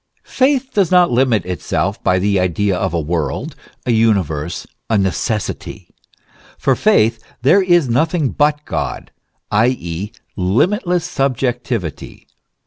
127 Faith does not limit itself by the idea of a world, a universe, a necessity. For faith there is nothing but God, i.e., limitless subjectivity.